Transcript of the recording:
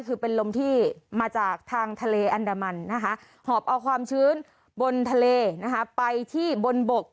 คือเป็นลมที่มาจากทางทะเลอันดามันนะคะหอบเอาความชื้นบนทะเลนะคะไปที่บนบก